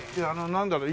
なんだろう？